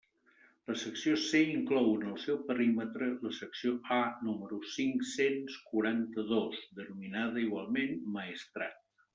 La Secció C inclou en el seu perímetre la Secció A número cinc-cents quaranta-dos, denominada igualment «Maestrat».